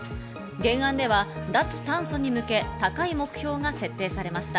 原案では脱炭素に向け、高い目標が設定されました。